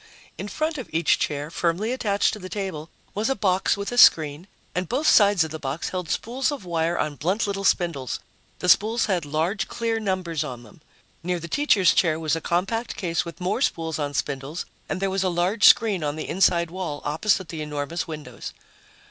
In front of each chair, firmly attached to the table, was a box with a screen, and both sides of the box held spools of wire on blunt little spindles. The spools had large, clear numbers on them. Near the teacher's chair was a compact case with more spools on spindles, and there was a large screen on the inside wall, opposite the enormous windows.